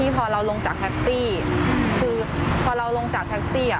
ภาพมันตัดตอนที่พอเราลงจากแท็กซี่